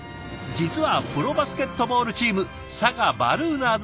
実はプロバスケットボールチーム佐賀バルーナーズ